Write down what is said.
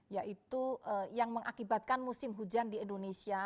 yaitu yang mengakibatkan musim hujan di indonesia